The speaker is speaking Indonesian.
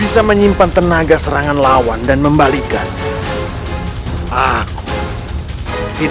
seperti sedia kalah